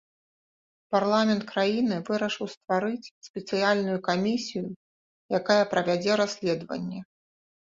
Парламент краіны вырашыў стварыць спецыяльную камісію, якая правядзе расследаванне.